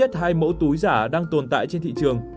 có ít nhất hai mẫu túi giả đang tồn tại trên thị trường